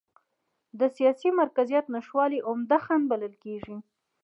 د سیاسي مرکزیت نشتوالی عمده خنډ بلل کېږي.